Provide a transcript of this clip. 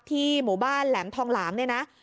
ที่หมู่บ้านแหลมทองหลามนี่นะ